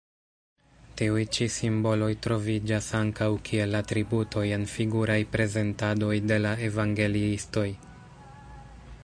Tiuj ĉi simboloj troviĝas ankaŭ kiel atributoj en figuraj prezentadoj de la evangeliistoj.